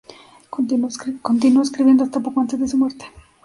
Continuó escribiendo hasta poco antes de su muerte.